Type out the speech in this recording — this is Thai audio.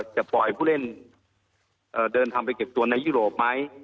จะปล่อยผู้เล่นเดินทางไปเก็บตัวในยุโรปไหม